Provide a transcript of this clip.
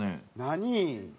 何？